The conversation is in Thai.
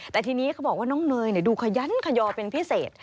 แต่ทีนี้เขาบอกว่าน้องเนยดูขยันขยอเป็นพิเศษ